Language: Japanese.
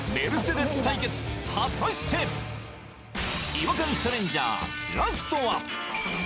違和感チャレンジャーラストは？